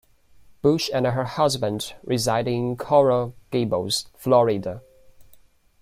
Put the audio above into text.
Bush and her husband reside in Coral Gables, Florida.